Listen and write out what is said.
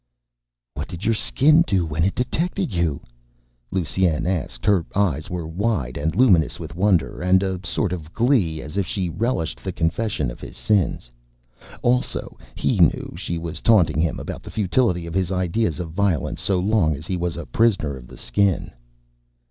"What did your Skin do when it detected you?" Lusine asked. Her eyes were wide and luminous with wonder and a sort of glee as if she relished the confession of his sins. Also, he knew, she was taunting him about the futility of his ideas of violence so long as he was a prisoner of the Skin.